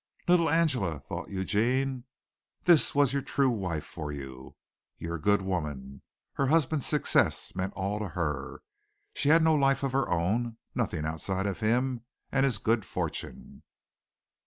"Little Angela!" thought Eugene. This was your true wife for you, your good woman. Her husband's success meant all to her. She had no life of her own nothing outside of him and his good fortune.